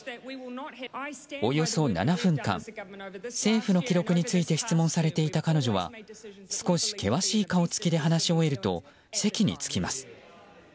およそ７分間政府の記録について質問されていた彼女は少し険しい顔つきで話し終えると席に着きます。